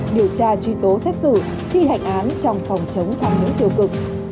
điều tra truy tố xét xử thi hành án trong phòng chống tham nhũng tiêu cực